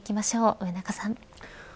上中さん。